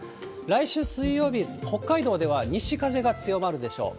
来週水曜日、北海道では西風が強まるでしょう。